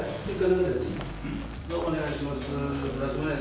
お願いします。